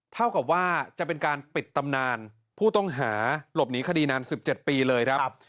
เท่ากับว่าจะเป็นการปิดตำนานผู้ต้องหาหลบหนีคดีนาน๑๗ปีเลยครับ